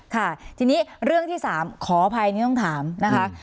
ค่ะทีนี้เรื่องที่๓ขออภัยนี่ต้องถามนะคะ